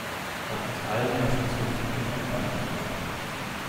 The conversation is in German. Auf uns allen lasten Sünden, die auf eine Beichte warten.